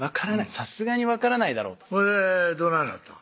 さすがに分からないだろうとほいでどないなったん？